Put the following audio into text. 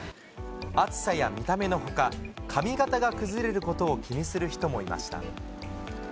暑さや見た目のほか、髪形が崩れることを気にする人もいました。